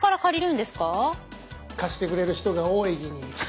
貸してくれる人が多いきに